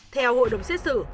theo hội đồng xét xử